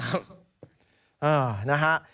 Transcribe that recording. อ้าแล้วนะฮะ